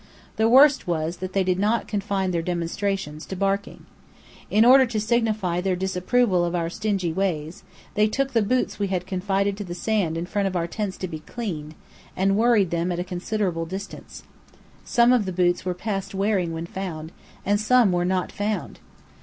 The worst was, that they did not confine their demonstrations to barking. In order to signify their disapproval of our stingy ways, they took the boots we had confided to the sand in front of our tents to be cleaned, and worried them at a considerable distance. Some of the boots were past wearing when found, and some were not found.